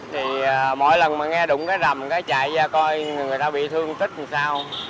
thì mỗi lần mà nghe đụng cái rầm cái chạy ra coi người ta bị thương tích vì sao